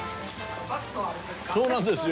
そうなんですよ。